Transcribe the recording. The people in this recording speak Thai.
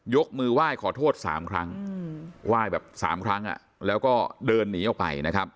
ยกมือไหว้ขอโทษ๓ครั้งไหว้แบบ๓ครั้งแล้วก็เดินหนีออกไปนะครับ